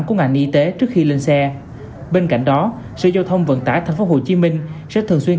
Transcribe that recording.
của ngành y tế trước khi lên xe bên cạnh đó sở giao thông vận tải tp hcm sẽ thường xuyên